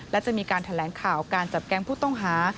และจะมีการแถลงข่าวการจับแก๊งผู้ต้องหา